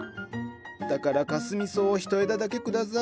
だからかすみ草を１枝だけください。